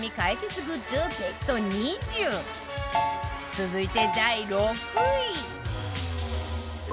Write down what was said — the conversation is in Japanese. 続いて第６位